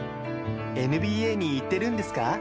ＮＢＡに行ってるんですか？